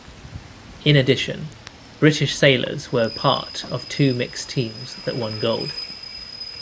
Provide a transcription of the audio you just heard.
In addition, British sailors were part of two mixed teams that won gold.